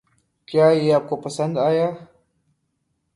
کیا یہ آپ کو پَسند آیا؟